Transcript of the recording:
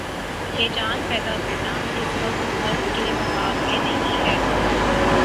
ہیجان پیدا کرنا اس وقت ملک کے مفاد میں نہیں ہے۔